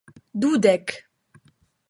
dudek